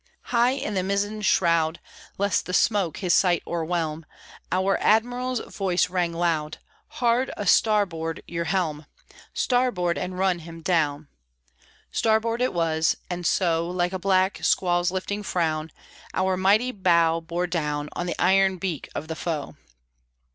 High in the mizzen shroud (Lest the smoke his sight o'erwhelm), Our Admiral's voice rang loud; "Hard a starboard your helm! Starboard, and run him down!" Starboard it was, and so, Like a black squall's lifting frown, Our mighty bow bore down On the iron beak of the Foe.